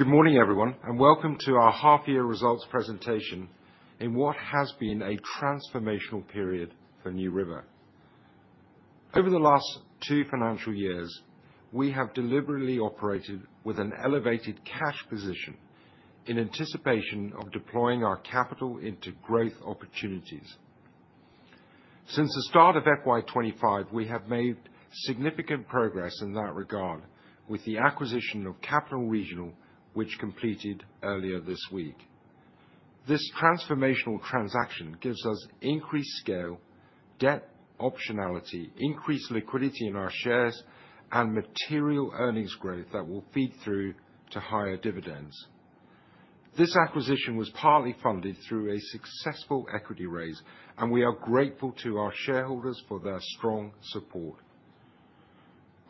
Good morning, everyone, and welcome to our half-year results presentation in what has been a transformational period for NewRiver. Over the last two financial years, we have deliberately operated with an elevated cash position in anticipation of deploying our capital into growth opportunities. Since the start of FY25, we have made significant progress in that regard with the acquisition of Capital & Regional, which completed earlier this week. This transformational transaction gives us increased scale, debt optionality, increased liquidity in our shares, and material earnings growth that will feed through to higher dividends. This acquisition was partly funded through a successful equity raise, and we are grateful to our shareholders for their strong support.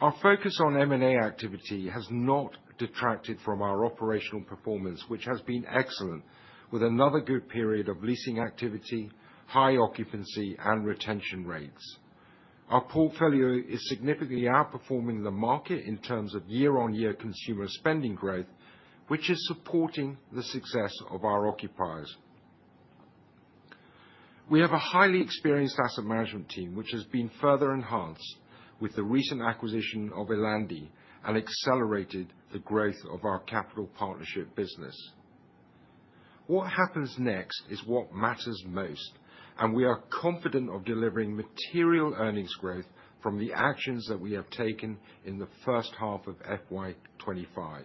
Our focus on M&A activity has not detracted from our operational performance, which has been excellent, with another good period of leasing activity, high occupancy, and retention rates. Our portfolio is significantly outperforming the market in terms of year-on-year consumer spending growth, which is supporting the success of our occupiers. We have a highly experienced asset management team, which has been further enhanced with the recent acquisition of Ellandi and accelerated the growth of our Capital Partnerships business. What happens next is what matters most, and we are confident of delivering material earnings growth from the actions that we have taken in the first half of FY25.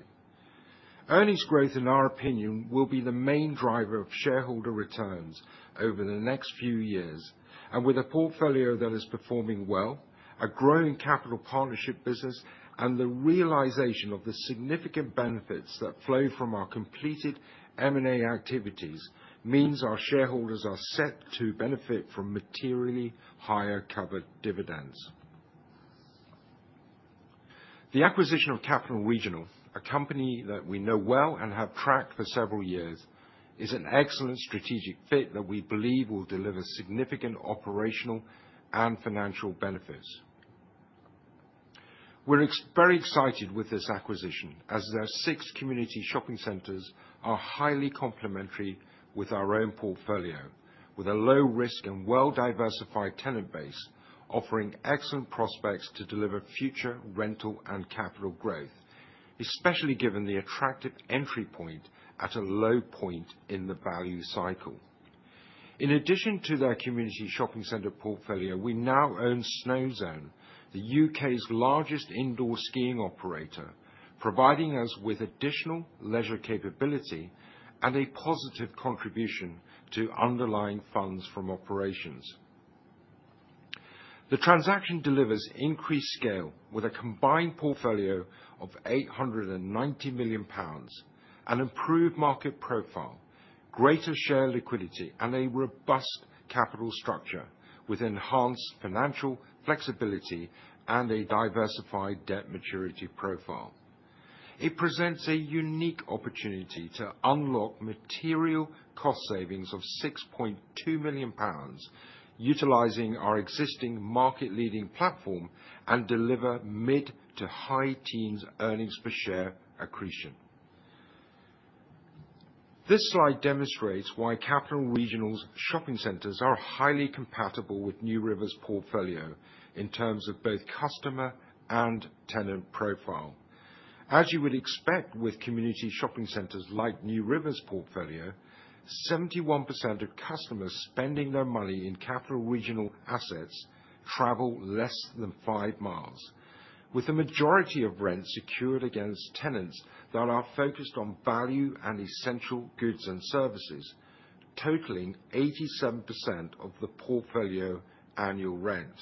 Earnings growth, in our opinion, will be the main driver of shareholder returns over the next few years, and with a portfolio that is performing well, a growing Capital Partnerships business, and the realization of the significant benefits that flow from our completed M&A activities, means our shareholders are set to benefit from materially higher covered dividends. The acquisition of Capital & Regional, a company that we know well and have tracked for several years, is an excellent strategic fit that we believe will deliver significant operational and financial benefits. We're very excited with this acquisition, as their six community shopping centers are highly complementary with our own portfolio, with a low-risk and well-diversified tenant base offering excellent prospects to deliver future rental and capital growth, especially given the attractive entry point at a low point in the value cycle. In addition to their community shopping center portfolio, we now own Snozone, the U.K.'s largest indoor skiing operator, providing us with additional leisure capability and a positive contribution to underlying funds from operations. The transaction delivers increased scale with a combined portfolio of 890 million pounds and improved market profile, greater share liquidity, and a robust capital structure with enhanced financial flexibility and a diversified debt maturity profile. It presents a unique opportunity to unlock material cost savings of 6.2 million pounds utilizing our existing market-leading platform and deliver mid to high teens earnings per share accretion. This slide demonstrates why Capital & Regional's shopping centers are highly compatible with NewRiver's portfolio in terms of both customer and tenant profile. As you would expect with community shopping centers like NewRiver's portfolio, 71% of customers spending their money in Capital & Regional assets travel less than five miles, with a majority of rent secured against tenants that are focused on value and essential goods and services, totaling 87% of the portfolio annual rent.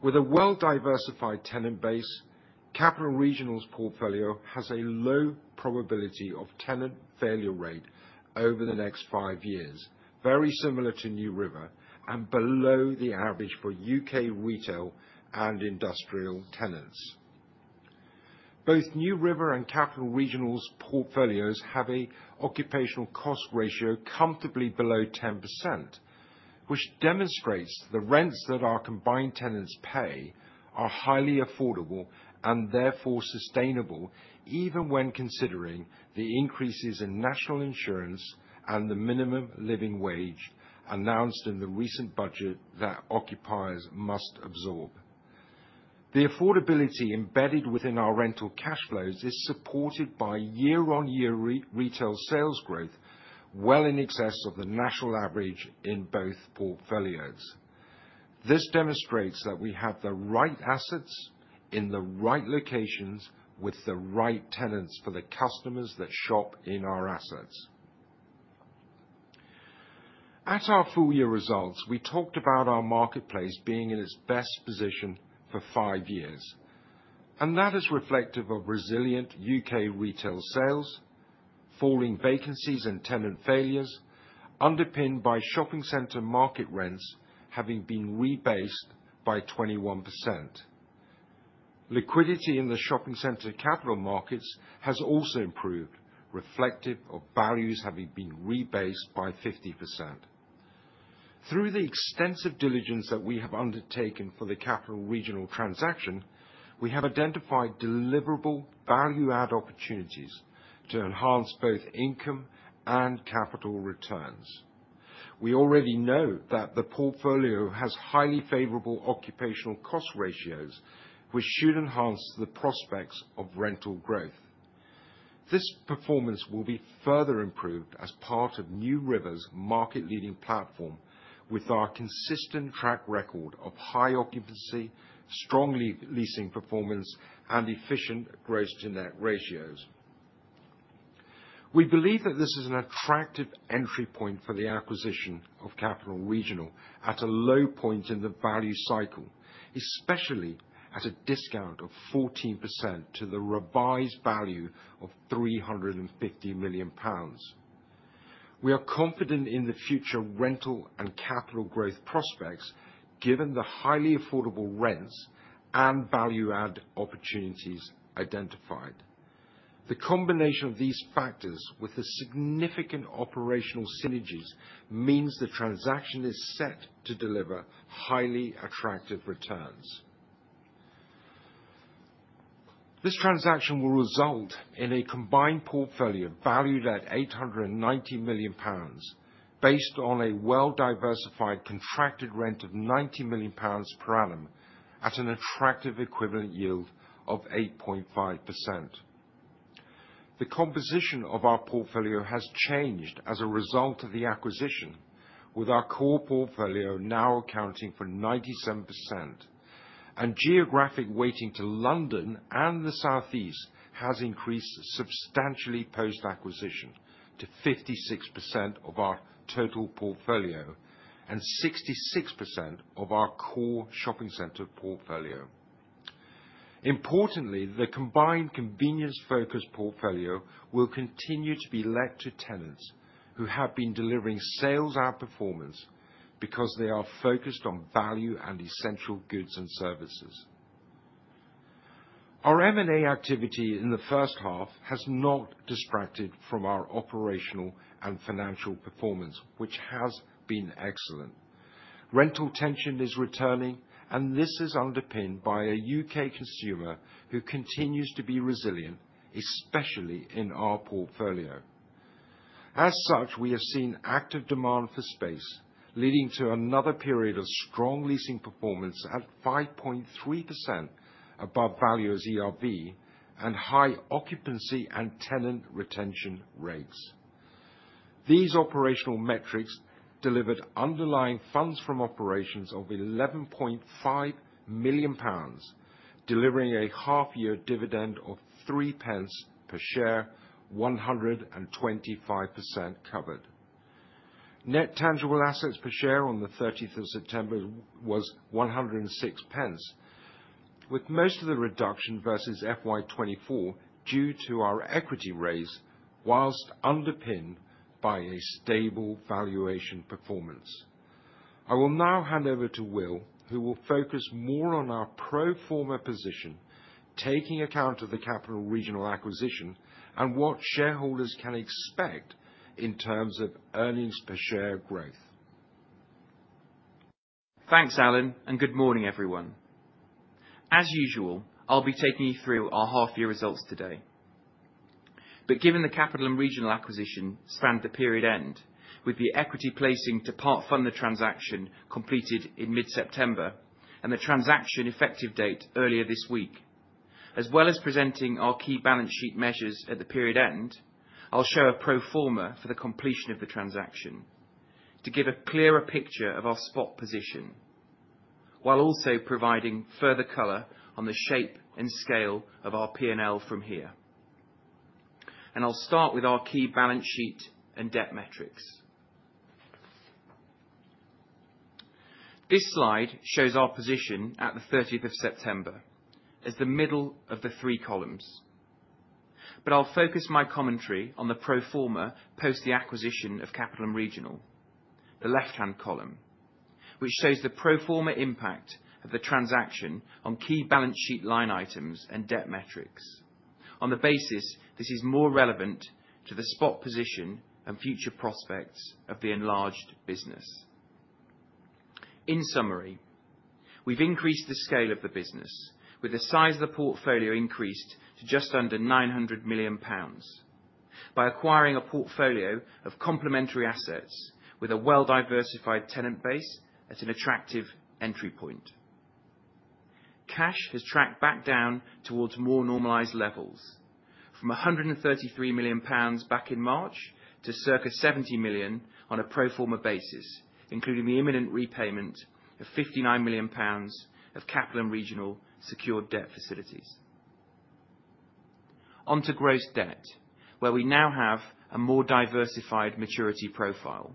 With a well-diversified tenant base, Capital & Regional's portfolio has a low probability of tenant failure rate over the next five years, very similar to NewRiver and below the average for U.K. retail and industrial tenants. Both NewRiver and Capital & Regional's portfolios have an occupational cost ratio comfortably below 10%, which demonstrates the rents that our combined tenants pay are highly affordable and therefore sustainable, even when considering the increases in National Insurance and the minimum living wage announced in the recent budget that occupiers must absorb. The affordability embedded within our rental cash flows is supported by year-on-year retail sales growth, well in excess of the national average in both portfolios. This demonstrates that we have the right assets in the right locations with the right tenants for the customers that shop in our assets. At our full-year results, we talked about our marketplace being in its best position for five years, and that is reflective of resilient U.K. retail sales, falling vacancies and tenant failures, underpinned by shopping center market rents having been rebased by 21%. Liquidity in the shopping center capital markets has also improved, reflective of values having been rebased by 50%. Through the extensive diligence that we have undertaken for the Capital & Regional transaction, we have identified deliverable value-add opportunities to enhance both income and capital returns. We already know that the portfolio has highly favorable occupational cost ratios, which should enhance the prospects of rental growth. This performance will be further improved as part of NewRiver's market-leading platform with our consistent track record of high occupancy, strong leasing performance, and efficient gross-to-net ratios. We believe that this is an attractive entry point for the acquisition of Capital & Regional at a low point in the value cycle, especially at a discount of 14% to the revised value of 350 million pounds. We are confident in the future rental and capital growth prospects given the highly affordable rents and value-add opportunities identified. The combination of these factors with the significant operational synergies means the transaction is set to deliver highly attractive returns. This transaction will result in a combined portfolio valued at 890 million pounds, based on a well-diversified contracted rent of 90 million pounds per annum at an attractive equivalent yield of 8.5%. The composition of our portfolio has changed as a result of the acquisition, with our core portfolio now accounting for 97%, and geographic weighting to London and the Southeast has increased substantially post-acquisition to 56% of our total portfolio and 66% of our core shopping center portfolio. Importantly, the combined convenience-focused portfolio will continue to be let to tenants who have been delivering sales outperformance because they are focused on value and essential goods and services. Our M&A activity in the first half has not distracted from our operational and financial performance, which has been excellent. Rental tension is returning, and this is underpinned by a UK consumer who continues to be resilient, especially in our portfolio. As such, we have seen active demand for space, leading to another period of strong leasing performance at 5.3% above value as ERV and high occupancy and tenant retention rates. These operational metrics delivered underlying funds from operations of 11.5 million pounds, delivering a half-year dividend of 0.03 per share, 125% covered. Net tangible assets per share on the 30th of September was 106, with most of the reduction versus FY24 due to our equity raise, whilst underpinned by a stable valuation performance. I will now hand over to Will, who will focus more on our pro forma position, taking account of the Capital & Regional acquisition and what shareholders can expect in terms of earnings per share growth. Thanks, Allan, and good morning, everyone. As usual, I'll be taking you through our half-year results today, but given the Capital & Regional acquisition spanned the period end, with the equity placing to part-fund the transaction completed in mid-September and the transaction effective date earlier this week, as well as presenting our key balance sheet measures at the period end, I'll show a pro forma for the completion of the transaction to give a clearer picture of our spot position, while also providing further color on the shape and scale of our P&L from here, and I'll start with our key balance sheet and debt metrics. This slide shows our position at the 30th of September as the middle of the three columns, but I'll focus my commentary on the pro forma post the acquisition of Capital & Regional, the left-hand column, which shows the pro forma impact of the transaction on key balance sheet line items and debt metrics. On the basis, this is more relevant to the spot position and future prospects of the enlarged business. In summary, we've increased the scale of the business, with the size of the portfolio increased to just under 900 million pounds by acquiring a portfolio of complementary assets with a well-diversified tenant base at an attractive entry point. Cash has tracked back down towards more normalized levels, from GBP 133 million back in March to circa GBP 70 million on a pro forma basis, including the imminent repayment of GBP 59 million of Capital & Regional secured debt facilities. Onto gross debt, where we now have a more diversified maturity profile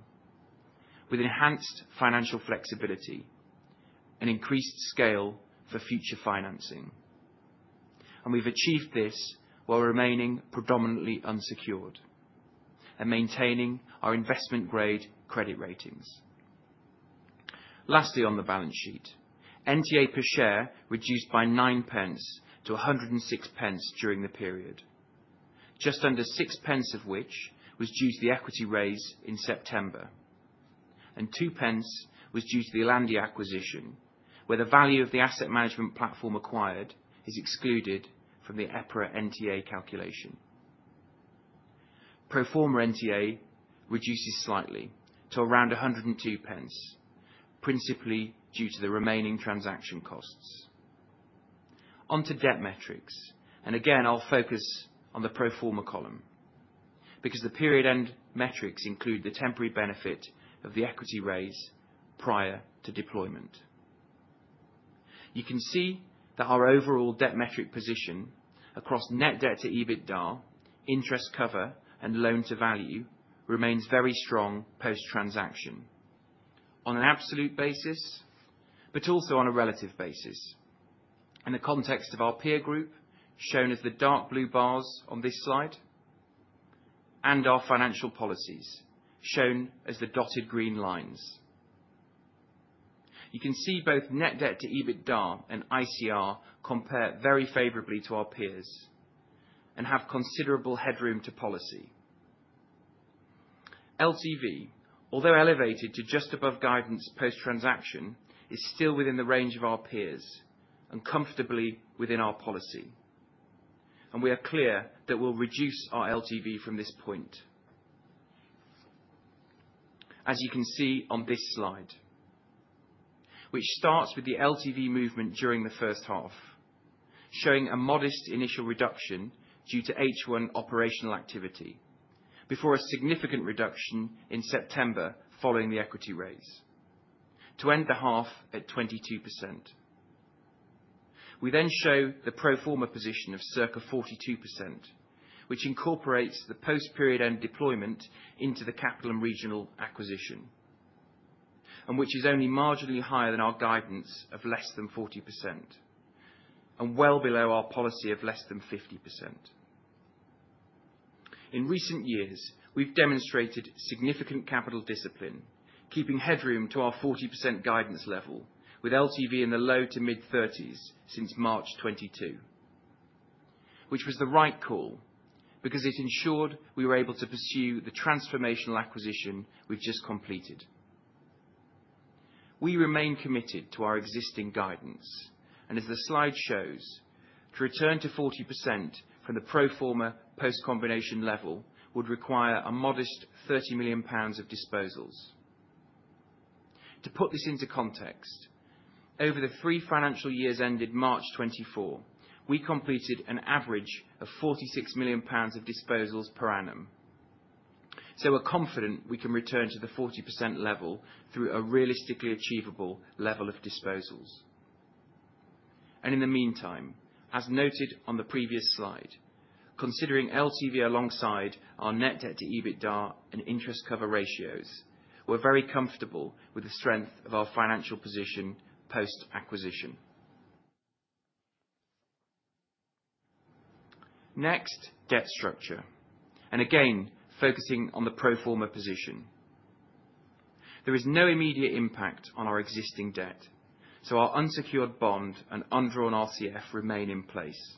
with enhanced financial flexibility and increased scale for future financing. And we've achieved this while remaining predominantly unsecured and maintaining our investment-grade credit ratings. Lastly, on the balance sheet, NTA per share reduced by 0.09 to 106 during the period, just under 0.06 of which was due to the equity raise in September, and 0.02 was due to the Ellandi acquisition, where the value of the asset management platform acquired is excluded from the EPRA NTA calculation. Pro forma NTA reduces slightly to around 102, principally due to the remaining transaction costs. Onto debt metrics, and again, I'll focus on the pro forma column because the period-end metrics include the temporary benefit of the equity raise prior to deployment. You can see that our overall debt metric position across net debt to EBITDA, interest cover, and loan to value remains very strong post-transaction on an absolute basis, but also on a relative basis. In the context of our peer group, shown as the dark blue bars on this slide, and our financial policies, shown as the dotted green lines. You can see both net debt to EBITDA and ICR compare very favorably to our peers and have considerable headroom to policy. LTV, although elevated to just above guidance post-transaction, is still within the range of our peers and comfortably within our policy, and we are clear that we'll reduce our LTV from this point, as you can see on this slide, which starts with the LTV movement during the first half, showing a modest initial reduction due to H1 operational activity before a significant reduction in September following the equity raise to end the half at 22%. We then show the pro forma position of circa 42%, which incorporates the post-period-end deployment into the Capital & Regional acquisition, and which is only marginally higher than our guidance of less than 40% and well below our policy of less than 50%. In recent years, we've demonstrated significant capital discipline, keeping headroom to our 40% guidance level, with LTV in the low to mid-30s since March 2022, which was the right call because it ensured we were able to pursue the transformational acquisition we've just completed. We remain committed to our existing guidance, and as the slide shows, to return to 40% from the pro forma post-combination level would require a modest 30 million pounds of disposals. To put this into context, over the three financial years ended March 2024, we completed an average of 46 million pounds of disposals per annum. So we're confident we can return to the 40% level through a realistically achievable level of disposals. And in the meantime, as noted on the previous slide, considering LTV alongside our net debt to EBITDA and interest cover ratios, we're very comfortable with the strength of our financial position post-acquisition. Next, debt structure, and again, focusing on the pro forma position. There is no immediate impact on our existing debt, so our unsecured bond and undrawn RCF remain in place.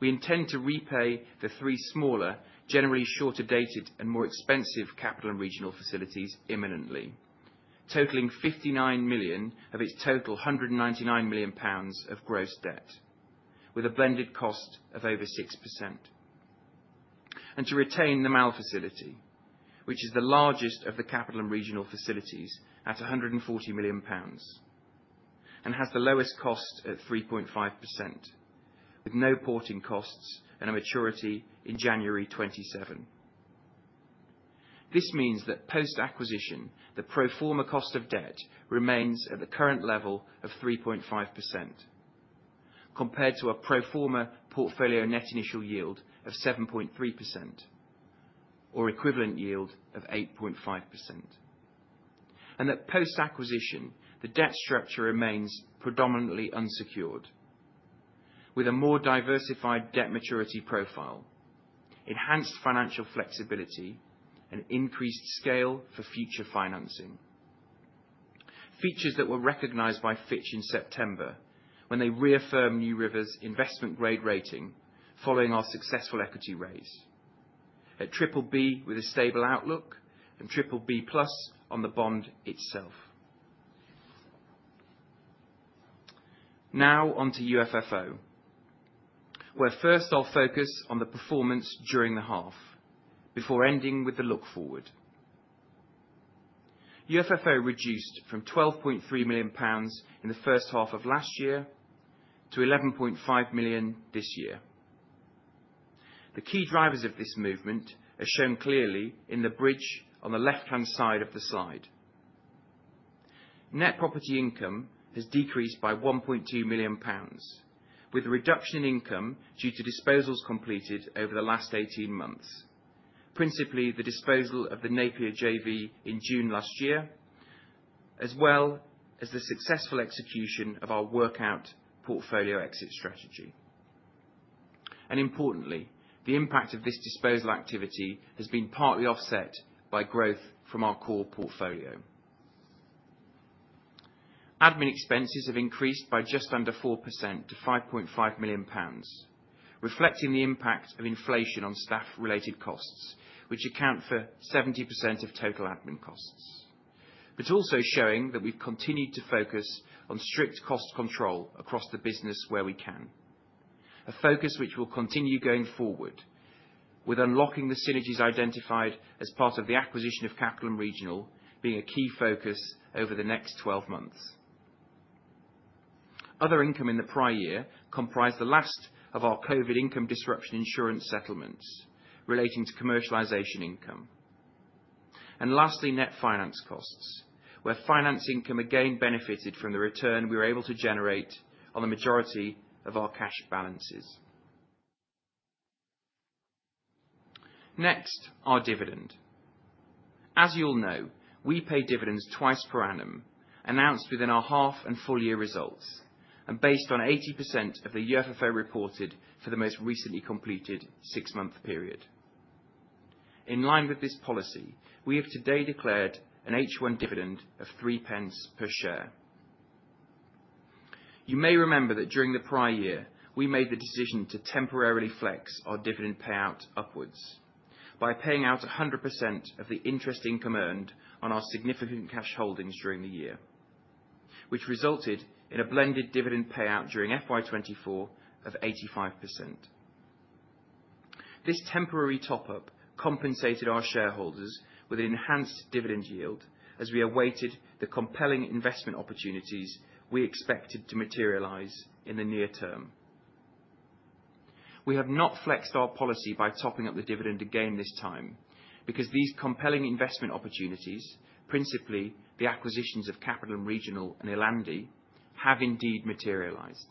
We intend to repay the three smaller, generally shorter-dated and more expensive Capital & Regional facilities imminently, totaling 59 million of its total 199 million pounds of gross debt, with a blended cost of over 6%, and to retain the MAL facility, which is the largest of the Capital & Regional facilities at 140 million pounds and has the lowest cost at 3.5%, with no porting costs and a maturity in January 2027. This means that post-acquisition, the pro forma cost of debt remains at the current level of 3.5% compared to a pro forma portfolio net initial yield of 7.3% or equivalent yield of 8.5%. And that post-acquisition, the debt structure remains predominantly unsecured, with a more diversified debt maturity profile, enhanced financial flexibility, and increased scale for future financing. Features that were recognized by Fitch in September when they reaffirmed NewRiver's investment-grade rating following our successful equity raise at BBB with a stable outlook and BBB plus on the bond itself. Now onto UFFO, where first I'll focus on the performance during the half before ending with the look forward. UFFO reduced from 12.3 million pounds in the first half of last year to 11.5 million this year. The key drivers of this movement are shown clearly in the bridge on the left-hand side of the slide. Net property income has decreased by 1.2 million pounds, with a reduction in income due to disposals completed over the last 18 months, principally the disposal of the Napier JV in June last year, as well as the successful execution of our workout portfolio exit strategy, and importantly, the impact of this disposal activity has been partly offset by growth from our core portfolio. Admin expenses have increased by just under 4% to 5.5 million pounds, reflecting the impact of inflation on staff-related costs, which account for 70% of total admin costs, but also showing that we've continued to focus on strict cost control across the business where we can, a focus which will continue going forward with unlocking the synergies identified as part of the acquisition of Capital & Regional being a key focus over the next 12 months. Other income in the prior year comprised the last of our COVID income disruption insurance settlements relating to commercialization income, and lastly, net finance costs, where finance income again benefited from the return we were able to generate on the majority of our cash balances. Next, our dividend. As you'll know, we pay dividends twice per annum announced within our half and full year results and based on 80% of the UFFO reported for the most recently completed six-month period. In line with this policy, we have today declared an H1 dividend of 0.03 per share. You may remember that during the prior year, we made the decision to temporarily flex our dividend payout upwards by paying out 100% of the interest income earned on our significant cash holdings during the year, which resulted in a blended dividend payout during FY24 of 85%. This temporary top-up compensated our shareholders with an enhanced dividend yield as we awaited the compelling investment opportunities we expected to materialize in the near term. We have not flexed our policy by topping up the dividend again this time because these compelling investment opportunities, principally the acquisitions of Capital & Regional and Ellandi, have indeed materialized.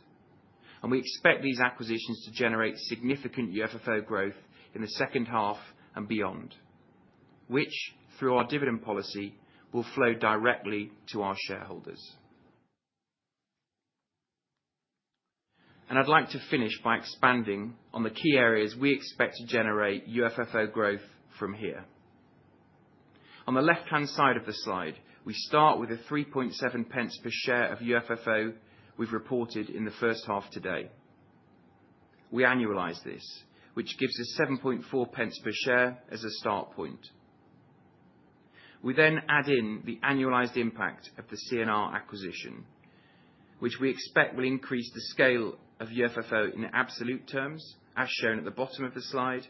And we expect these acquisitions to generate significant UFFO growth in the second half and beyond, which, through our dividend policy, will flow directly to our shareholders. And I'd like to finish by expanding on the key areas we expect to generate UFFO growth from here. On the left-hand side of the slide, we start with a 3.70 per share of UFFO we've reported in the first half today. We annualize this, which gives us 7.40 per share as a start point. We then add in the annualized impact of the C&R acquisition, which we expect will increase the scale of UFFO in absolute terms, as shown at the bottom of the slide,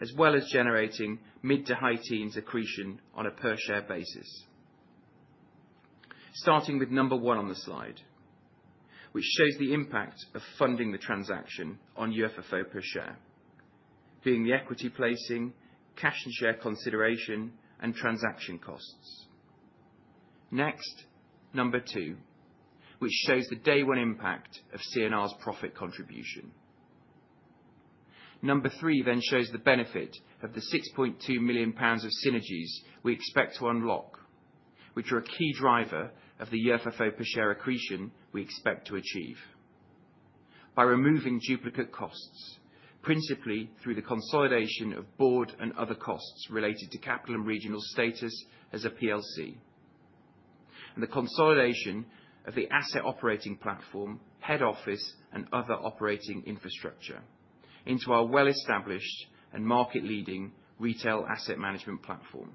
as well as generating mid to high teens accretion on a per-share basis. Starting with number one on the slide, which shows the impact of funding the transaction on UFFO per share, being the equity placing, cash and share consideration, and transaction costs. Next, number two, which shows the day-one impact of C&R's profit contribution. Number three then shows the benefit of the 6.2 million pounds of synergies we expect to unlock, which are a key driver of the UFFO per share accretion we expect to achieve by removing duplicate costs, principally through the consolidation of board and other costs related to Capital & Regional status as a PLC, and the consolidation of the asset operating platform, head office, and other operating infrastructure into our well-established and market-leading retail asset management platform,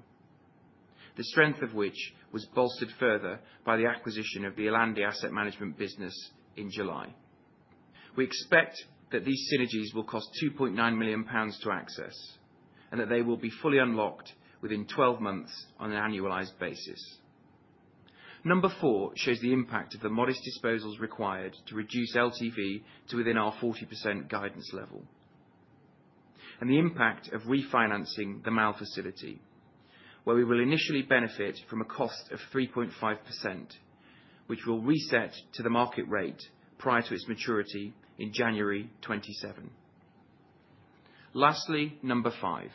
the strength of which was bolstered further by the acquisition of the Ellandi Asset Management business in July. We expect that these synergies will cost 2.9 million pounds to access and that they will be fully unlocked within 12 months on an annualized basis. Number four shows the impact of the modest disposals required to reduce LTV to within our 40% guidance level and the impact of refinancing the MAL facility, where we will initially benefit from a cost of 3.5%, which will reset to the market rate prior to its maturity in January 2027. Lastly, number five,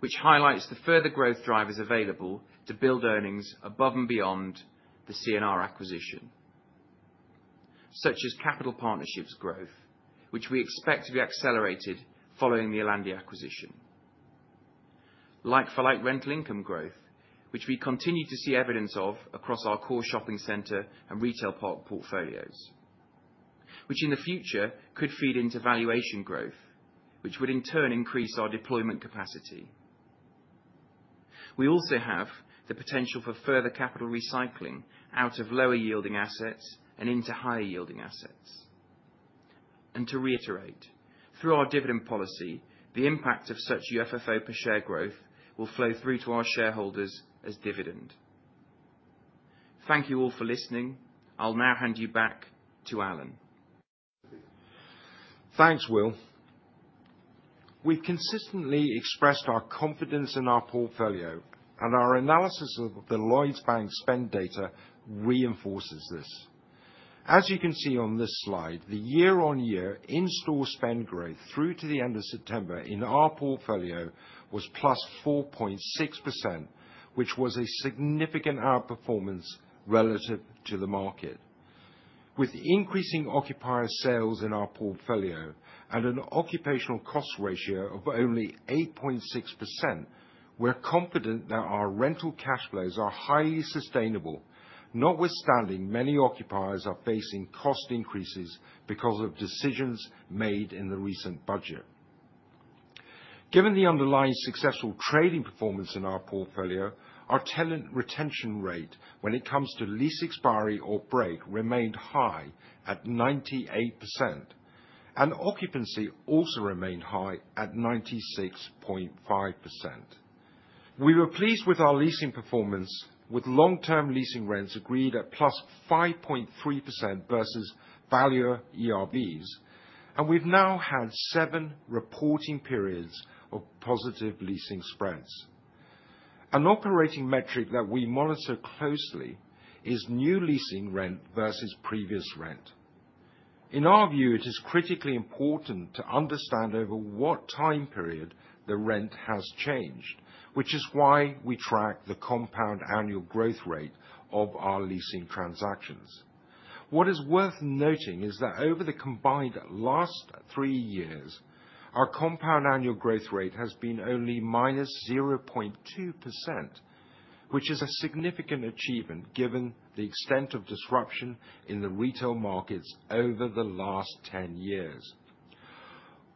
which highlights the further growth drivers available to build earnings above and beyond the C&R acquisition, such as Capital Partnerships growth, which we expect to be accelerated following the Ellandi acquisition, like for like rental income growth, which we continue to see evidence of across our core shopping center and retail portfolios, which in the future could feed into valuation growth, which would in turn increase our deployment capacity. We also have the potential for further capital recycling out of lower-yielding assets and into higher-yielding assets. To reiterate, through our dividend policy, the impact of such UFFO per share growth will flow through to our shareholders as dividend. Thank you all for listening. I'll now hand you back to Allan. Thanks, Will. We've consistently expressed our confidence in our portfolio, and our analysis of the Lloyds Bank spend data reinforces this. As you can see on this slide, the year-on-year in-store spend growth through to the end of September in our portfolio was plus 4.6%, which was a significant outperformance relative to the market. With increasing occupier sales in our portfolio and an occupational cost ratio of only 8.6%, we're confident that our rental cash flows are highly sustainable, notwithstanding many occupiers are facing cost increases because of decisions made in the recent budget. Given the underlying successful trading performance in our portfolio, our tenant retention rate when it comes to lease expiry or break remained high at 98%, and occupancy also remained high at 96.5%. We were pleased with our leasing performance, with long-term leasing rents agreed at plus 5.3% versus ERVs, and we've now had seven reporting periods of positive leasing spreads. An operating metric that we monitor closely is new leasing rent versus previous rent. In our view, it is critically important to understand over what time period the rent has changed, which is why we track the compound annual growth rate of our leasing transactions. What is worth noting is that over the combined last three years, our compound annual growth rate has been only -0.2%, which is a significant achievement given the extent of disruption in the retail markets over the last 10 years.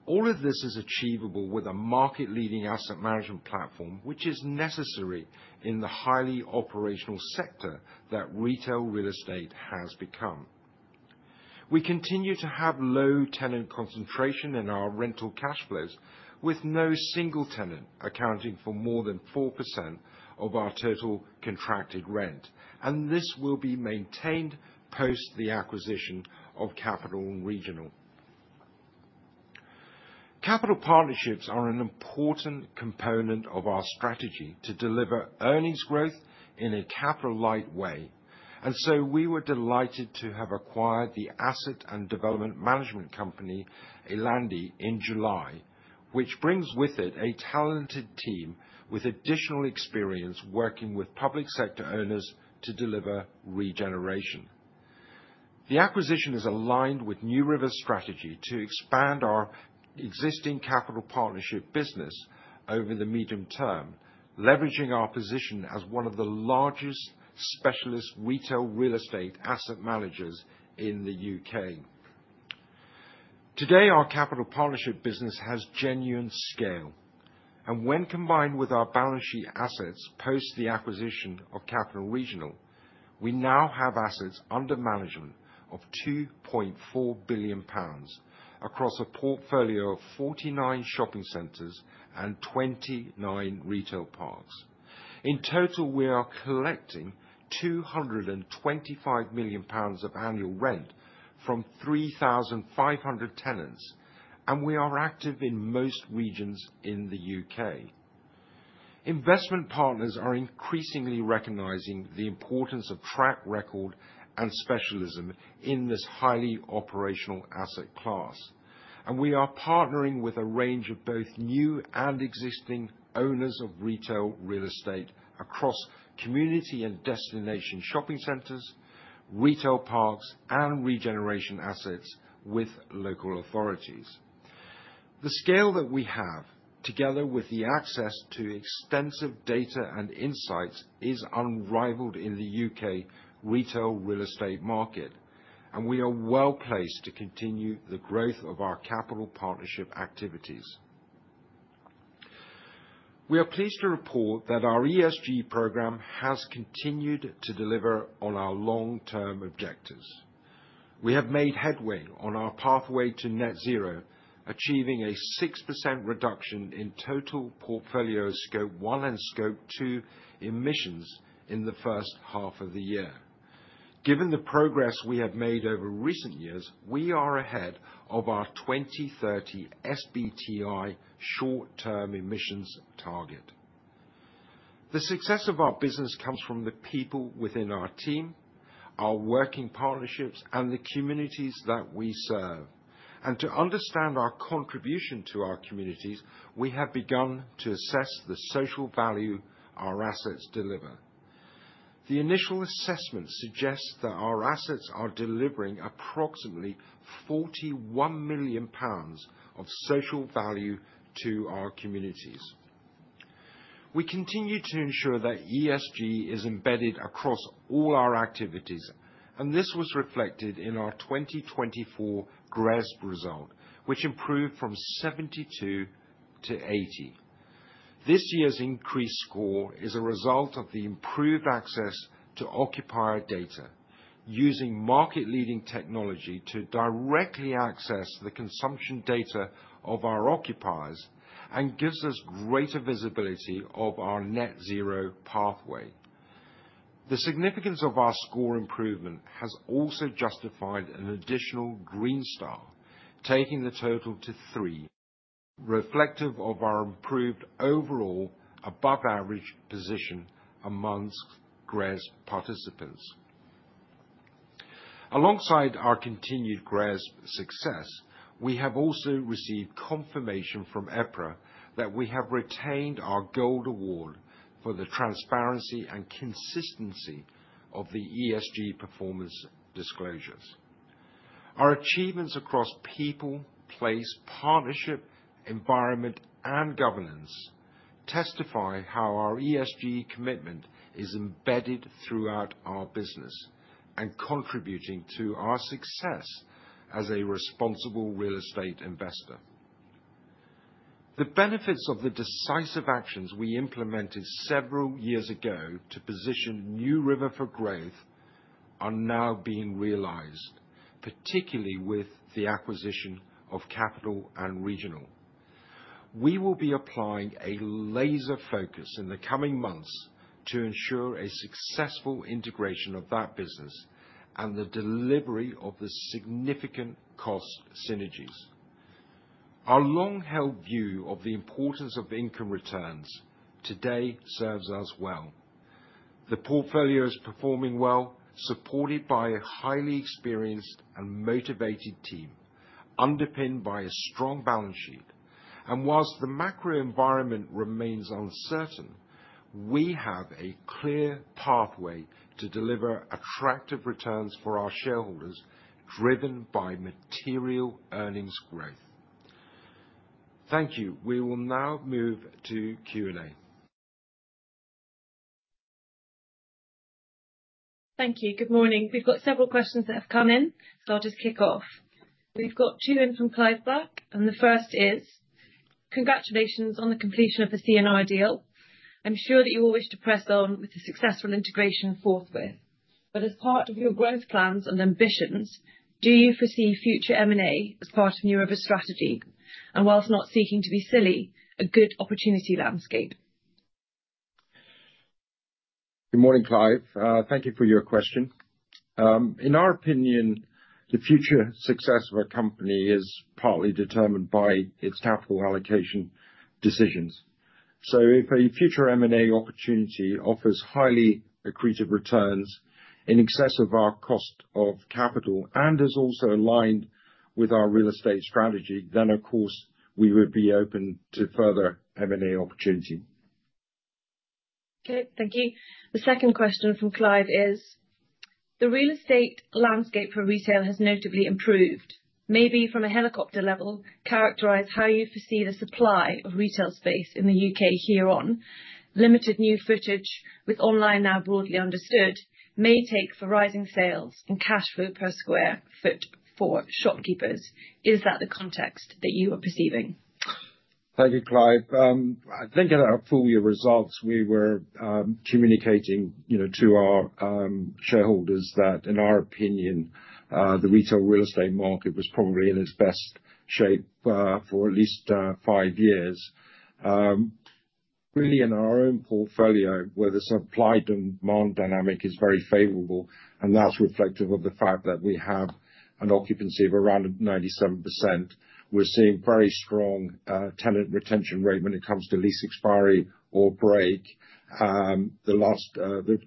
All of this is achievable with a market-leading asset management platform, which is necessary in the highly operational sector that retail real estate has become. We continue to have low tenant concentration in our rental cash flows, with no single tenant accounting for more than 4% of our total contracted rent, and this will be maintained post the acquisition of Capital & Regional. Capital Partnerships are an important component of our strategy to deliver earnings growth in a capital-light way, and so we were delighted to have acquired the asset and development management company Ellandi in July, which brings with it a talented team with additional experience working with public sector owners to deliver regeneration. The acquisition is aligned with NewRiver's strategy to expand our existing Capital Partnership business over the medium term, leveraging our position as one of the largest specialist retail real estate asset managers in the UK. Today, our Capital Partnership business has genuine scale, and when combined with our balance sheet assets post the acquisition of Capital & Regional, we now have assets under management of 2.4 billion pounds across a portfolio of 49 shopping centers and 29 retail parks. In total, we are collecting 225 million pounds of annual rent from 3,500 tenants, and we are active in most regions in the UK. Investment partners are increasingly recognizing the importance of track record and specialism in this highly operational asset class, and we are partnering with a range of both new and existing owners of retail real estate across community and destination shopping centers, retail parks, and regeneration assets with local authorities. The scale that we have, together with the access to extensive data and insights, is unrivaled in the U.K. retail real estate market, and we are well placed to continue the growth of our Capital Partnership activities. We are pleased to report that our ESG program has continued to deliver on our long-term objectives. We have made headway on our pathway to net zero, achieving a 6% reduction in total portfolio scope 1 and scope 2 emissions in the first half of the year. Given the progress we have made over recent years, we are ahead of our 2030 SBTi short-term emissions target. The success of our business comes from the people within our team, our working partnerships, and the communities that we serve. And to understand our contribution to our communities, we have begun to assess the social value our assets deliver. The initial assessment suggests that our assets are delivering approximately 41 million pounds of social value to our communities. We continue to ensure that ESG is embedded across all our activities, and this was reflected in our 2024 GRESB result, which improved from 72 to 80. This year's increased score is a result of the improved access to occupier data, using market-leading technology to directly access the consumption data of our occupiers and gives us greater visibility of our net zero pathway. The significance of our score improvement has also justified an additional green star, taking the total to three, reflective of our improved overall above-average position amongst GRESB participants. Alongside our continued GRESB success, we have also received confirmation from EPRA that we have retained our Gold Award for the transparency and consistency of the ESG performance disclosures. Our achievements across people, place, partnership, environment, and governance testify how our ESG commitment is embedded throughout our business and contributing to our success as a responsible real estate investor. The benefits of the decisive actions we implemented several years ago to position NewRiver for growth are now being realized, particularly with the acquisition of Capital & Regional. We will be applying a laser focus in the coming months to ensure a successful integration of that business and the delivery of the significant cost synergies. Our long-held view of the importance of income returns today serves us well. The portfolio is performing well, supported by a highly experienced and motivated team, underpinned by a strong balance sheet. And whilst the macro environment remains uncertain, we have a clear pathway to deliver attractive returns for our shareholders, driven by material earnings growth. Thank you. We will now move to Q&A. Thank you. Good morning. We've got several questions that have come in, so I'll just kick off. We've got two in from Clive Burke, and the first is, "Congratulations on the completion of the C&R deal. I'm sure that you all wish to press on with the successful integration forthwith. But as part of your growth plans and ambitions, do you foresee future M&A as part of NewRiver's strategy? And whilst not seeking to be silly, a good opportunity landscape?" Good morning, Clive. Thank you for your question. In our opinion, the future success of a company is partly determined by its capital allocation decisions. So if a future M&A opportunity offers highly accretive returns in excess of our cost of capital and is also aligned with our real estate strategy, then, of course, we would be open to further M&A opportunity. Okay. Thank you. The second question from Clive is, "The real estate landscape for retail has notably improved. Maybe from a helicopter level, characterize how you foresee the supply of retail space in the U.K. hereon. Limited new footage, with online now broadly understood, may make for rising sales and cash flow per square foot for shopkeepers. Is that the context that you are perceiving?" Thank you, Clive. I think at our full year results, we were communicating to our shareholders that, in our opinion, the retail real estate market was probably in its best shape for at least five years. Really, in our own portfolio, where the supply-demand dynamic is very favorable, and that's reflective of the fact that we have an occupancy of around 97%, we're seeing very strong tenant retention rate when it comes to lease expiry or break. The last,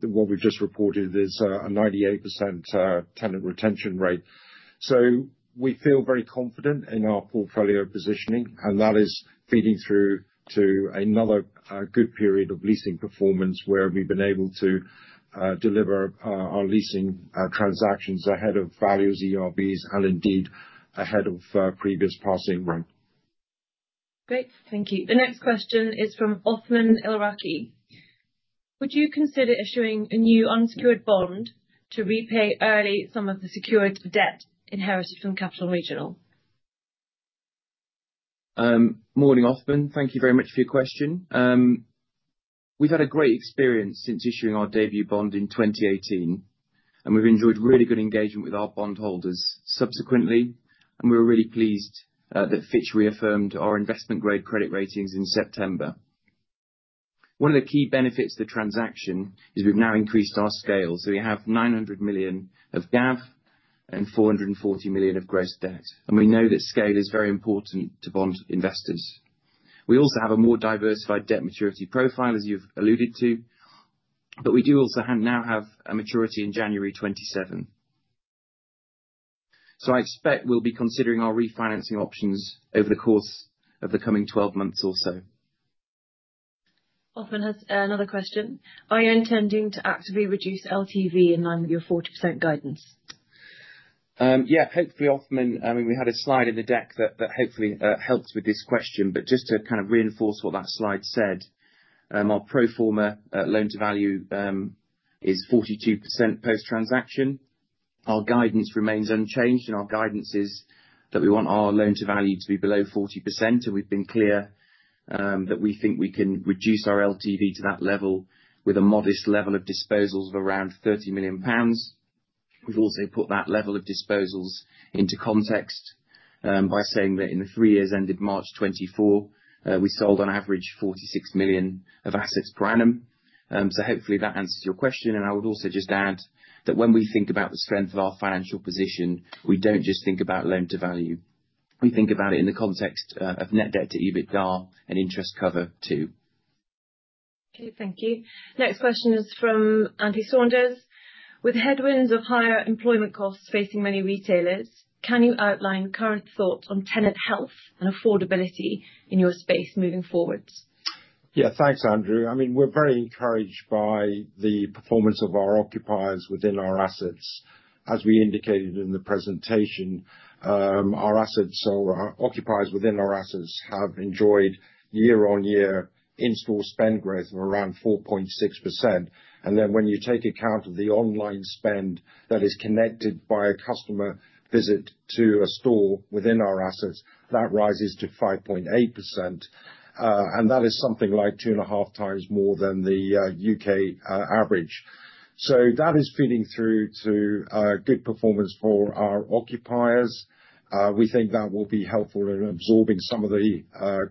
what we've just reported, is a 98% tenant retention rate. So we feel very confident in our portfolio positioning, and that is feeding through to another good period of leasing performance where we've been able to deliver our leasing transactions ahead of valued ERVs and indeed ahead of previous passing rent. Great. Thank you. The next question is from Othman Al-Araki. "Would you consider issuing a new unsecured bond to repay early some of the secured debt inherited from Capital & Regional?" Morning, Othman. Thank you very much for your question. We've had a great experience since issuing our debut bond in 2018, and we've enjoyed really good engagement with our bondholders subsequently, and we're really pleased that Fitch reaffirmed our investment-grade credit ratings in September. One of the key benefits of the transaction is we've now increased our scale. We have 900 million of GAV and 440 million of gross debt, and we know that scale is very important to bond investors. We also have a more diversified debt maturity profile, as you've alluded to, but we do also now have a maturity in January 2027. I expect we'll be considering our refinancing options over the course of the coming 12 months or so. Othman has another question. "Are you intending to actively reduce LTV in line with your 40% guidance?" Yeah, hopefully, Othman. I mean, we had a slide in the deck that hopefully helps with this question, but just to kind of reinforce what that slide said, our pro forma loan-to-value is 42% post-transaction. Our guidance remains unchanged, and our guidance is that we want our loan-to-value to be below 40%, and we've been clear that we think we can reduce our LTV to that level with a modest level of disposals of around 30 million pounds. We've also put that level of disposals into context by saying that in the three years ended March 2024, we sold on average 46 million of assets per annum. So hopefully that answers your question, and I would also just add that when we think about the strength of our financial position, we don't just think about loan-to-value. We think about it in the context of net debt to EBITDA and interest cover too. Okay. Thank you. Next question is from Andy Saunders. With headwinds of higher employment costs facing many retailers, can you outline current thoughts on tenant health and affordability in your space moving forward?" Yeah, thanks, Andy. I mean, we're very encouraged by the performance of our occupiers within our assets. As we indicated in the presentation, our assets or occupiers within our assets have enjoyed year-on-year in-store spend growth of around 4.6%. And then when you take account of the online spend that is connected by a customer visit to a store within our assets, that rises to 5.8%, and that is something like two and a half times more than the U.K. average. So that is feeding through to good performance for our occupiers. We think that will be helpful in absorbing some of the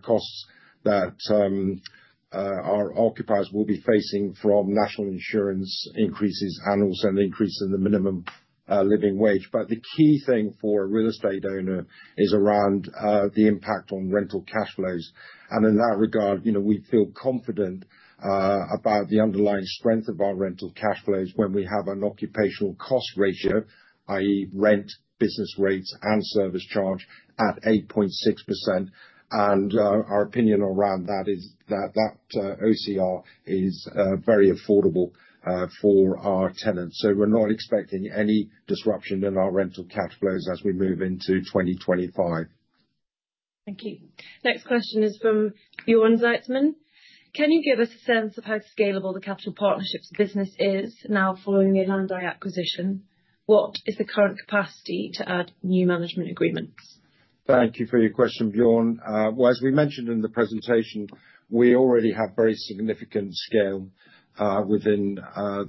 costs that our occupiers will be facing from National Insurance increases and also an increase in the minimum living wage. But the key thing for a real estate owner is around the impact on rental cash flows. And in that regard, we feel confident about the underlying strength of our rental cash flows when we have an occupational cost ratio, i.e., rent, business rates, and service charge at 8.6%. And our opinion around that is that that OCR is very affordable for our tenants. So we're not expecting any disruption in our rental cash flows as we move into 2025. Thank you. Next question is from Bjorn Zietsman. "Can you give us a sense of how scalable the Capital Partnerships business is now following the Ellandi acquisition? What is the current capacity to add new management agreements?" Thank you for your question, Bjorn. Well, as we mentioned in the presentation, we already have very significant scale within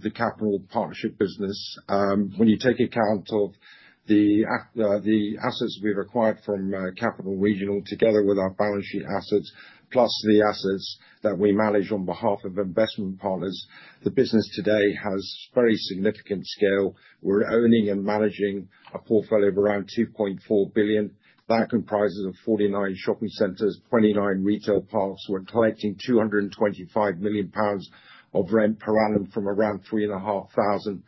the Capital Partnership business. When you take account of the assets we've acquired from Capital & Regional together with our balance sheet assets, plus the assets that we manage on behalf of investment partners, the business today has very significant scale. We're owning and managing a portfolio of around 2.4 billion. That comprises 49 shopping centers, 29 retail parks. We're collecting 225 million pounds of rent per annum from around 3,500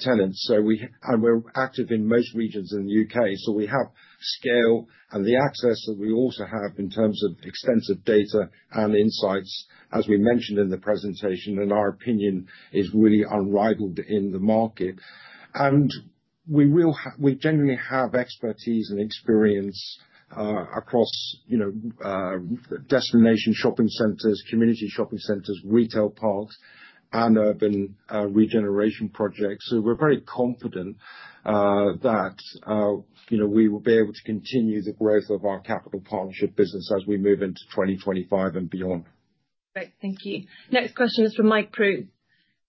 tenants. And we're active in most regions in the UK. So we have scale and the access that we also have in terms of extensive data and insights, as we mentioned in the presentation, in our opinion, is really unrivaled in the market. And we generally have expertise and experience across destination shopping centers, community shopping centers, retail parks, and urban regeneration projects. We're very confident that we will be able to continue the growth of our Capital Partnerships business as we move into 2025 and beyond. Great. Thank you. Next question is from Mike Prew.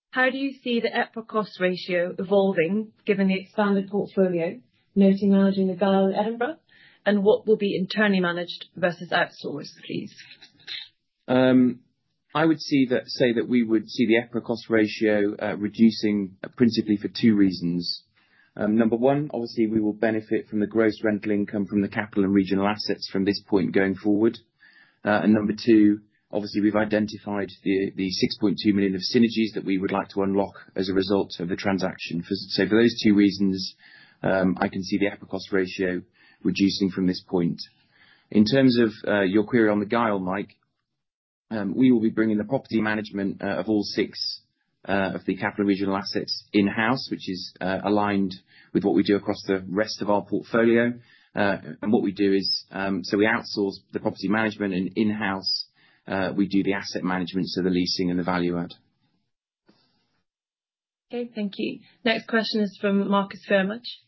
"How do you see the EPRA cost ratio evolving given the expanded portfolio, noting managing the mall in Edinburgh, and what will be internally managed versus outsourced, please?" I would say that we would see the EPRA cost ratio reducing principally for two reasons. Number one, obviously, we will benefit from the gross rental income from the Capital & Regional assets from this point going forward. And number two, obviously, we've identified the 6.2 million of synergies that we would like to unlock as a result of the transaction. So for those two reasons, I can see the EPRA cost ratio reducing from this point. In terms of your query on the MAL, Mike, we will be bringing the property management of all six of the Capital & Regional assets in-house, which is aligned with what we do across the rest of our portfolio. And what we do is, so we outsource the property management and in-house, we do the asset management, so the leasing and the value add. Okay. Thank you. Next question is from Marcus Phayre-Mudge.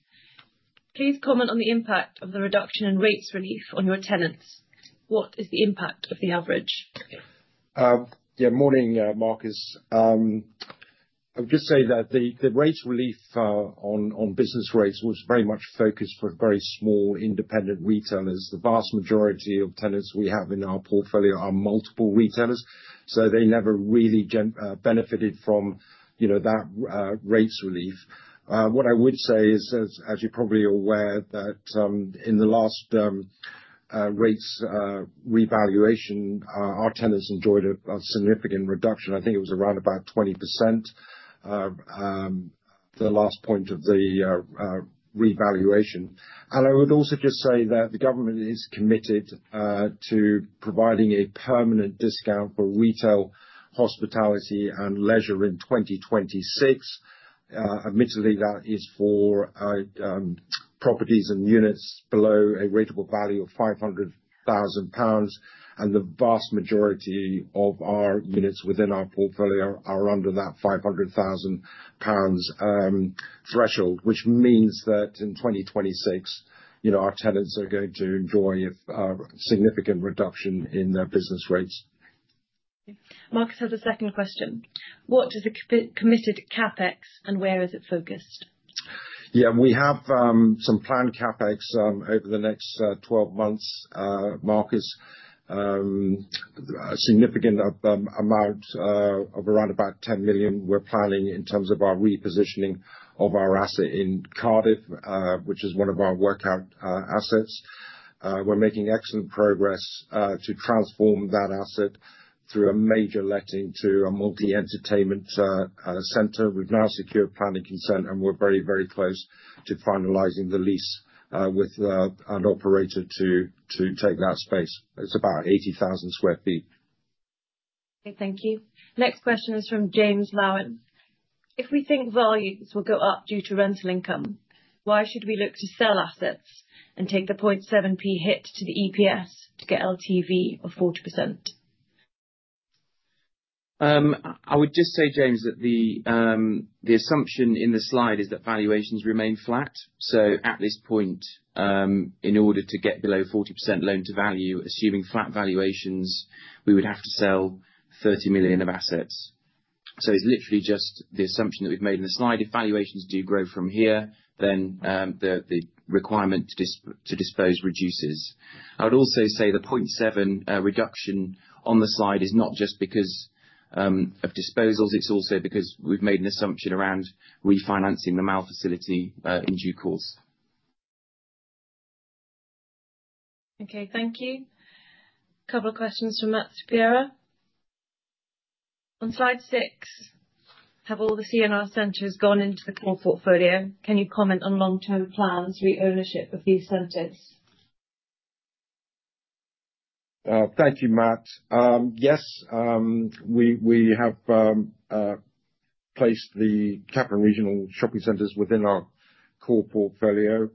"Please comment on the impact of the reduction in rates relief on your tenants. What is the impact of the average?" Yeah, morning, Marcus. I would just say that the rates relief on business rates was very much focused for very small independent retailers. The vast majority of tenants we have in our portfolio are multiple retailers, so they never really benefited from that rates relief. What I would say is, as you're probably aware, that in the last rates revaluation, our tenants enjoyed a significant reduction. I think it was around about 20% the last point of the revaluation, and I would also just say that the government is committed to providing a permanent discount for retail hospitality and leisure in 2026. Admittedly, that is for properties and units below a rateable value of 500,000 pounds, and the vast majority of our units within our portfolio are under that 500,000 pounds threshold, which means that in 2026, our tenants are going to enjoy a significant reduction in their business rates. Marcus has a second question. "What is a committed CapEx and where is it focused?" Yeah, we have some planned CapEx over the next 12 months, Marcus. A significant amount of around about 10 million we're planning in terms of our repositioning of our asset in Cardiff, which is one of our workout assets. We're making excellent progress to transform that asset through a major letting to a multi-entertainment center. We've now secured planning consent, and we're very, very close to finalizing the lease with an operator to take that space. It's about 80,000 sq ft. Okay. Thank you. Next question is from James Lowen. "If we think volumes will go up due to rental income, why should we look to sell assets and take the 0.7p hit to the EPS to get LTV of 40%?" I would just say, James, that the assumption in the slide is that valuations remain flat. So at this point, in order to get below 40% loan-to-value, assuming flat valuations, we would have to sell 30 million of assets. So it's literally just the assumption that we've made in the slide. If valuations do grow from here, then the requirement to dispose reduces. I would also say the 0.7 reduction on the slide is not just because of disposals. It's also because we've made an assumption around refinancing the MAL facility in due course. Okay. Thank you. A couple of questions from Matt Saperia. "On slide six, have all the C&R centers gone into the core portfolio? Can you comment on long-term plans for the ownership of these centers?" Thank you, Matt. Yes, we have placed the Capital & Regional shopping centers within our core portfolio.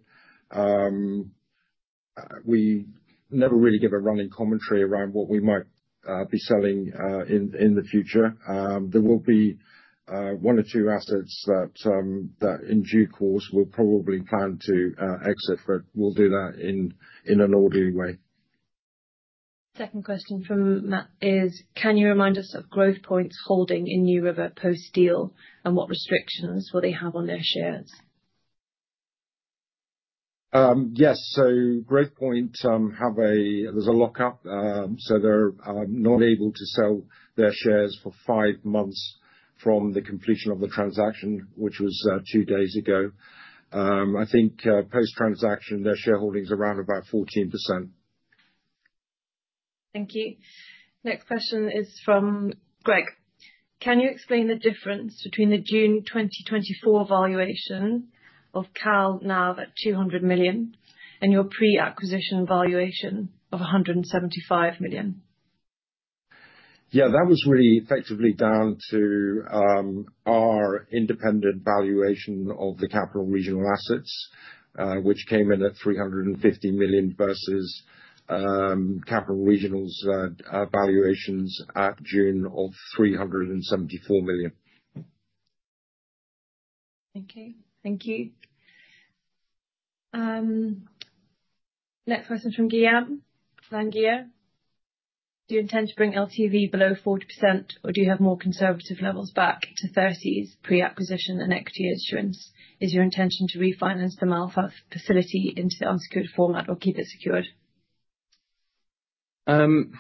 We never really give a running commentary around what we might be selling in the future. There will be one or two assets that in due course we'll probably plan to exit, but we'll do that in an orderly way. Second question from Matt is, "Can you remind us of Growthpoint's holding in NewRiver post-deal, and what restrictions will they have on their shares?" Yes. So Growthpoint have a lockup, so they're not able to sell their shares for five months from the completion of the transaction, which was two days ago. I think post-transaction, their shareholding's around about 14%. Thank you. Next question is from Greg. "Can you explain the difference between the June 2024 valuation of C&R NAV at 200 million and your pre-acquisition valuation of 175 million?" Yeah, that was really effectively down to our independent valuation of the Capital & Regional assets, which came in at 350 million versus Capital & Regional's valuations at June of 374 million. Okay. Thank you. Next question from Guillaume Langellier. Do you intend to bring LTV below 40%, or do you have more conservative levels back to 30s pre-acquisition and equity issuance? Is your intention to refinance the MAL facility into the unsecured format or keep it secured?" Morning,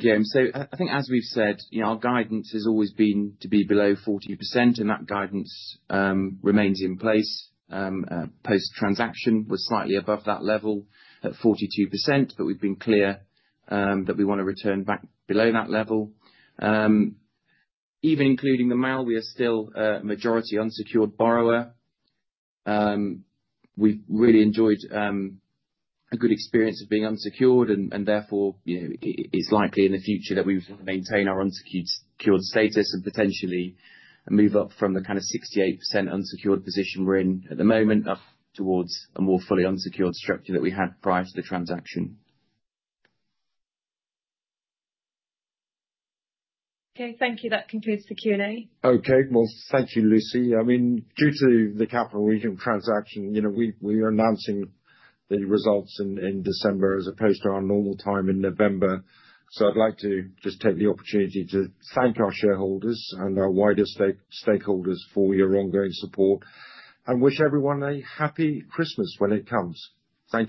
James. So I think, as we've said, our guidance has always been to be below 40%, and that guidance remains in place. Post-transaction, we're slightly above that level at 42%, but we've been clear that we want to return back below that level. Even including the MAL, we are still a majority unsecured borrower. We've really enjoyed a good experience of being unsecured, and therefore, it's likely in the future that we will maintain our unsecured status and potentially move up from the kind of 68% unsecured position we're in at the moment up towards a more fully unsecured structure that we had prior to the transaction. Okay. Thank you. That concludes the Q&A. Okay. Well, thank you, Lucy. I mean, due to the Capital & Regional transaction, we are announcing the results in December as opposed to our normal time in November. So I'd like to just take the opportunity to thank our shareholders and our wider stakeholders for your ongoing support and wish everyone a happy Christmas when it comes. Thank you.